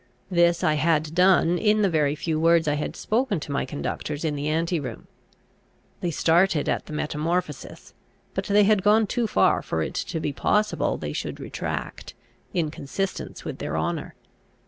This I had done in the very few words I had spoken to my conductors in the anti room: they started at the metamorphosis; but they had gone too far for it to be possible they should retract, in consistence with their honour.